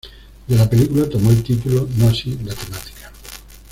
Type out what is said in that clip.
De la película tomó el título, no así la temática.